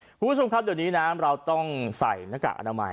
คุณผู้ชมครับเดี๋ยวนี้นะเราต้องใส่หน้ากากอนามัย